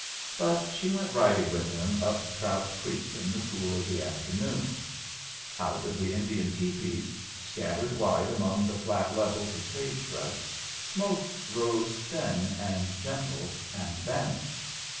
But she went riding with him up Trout Creek in the cool of the afternoon. Out of the Indian tepees, scattered wide among the flat levels of sage brush, smoke rose thin and gentle, and vanished.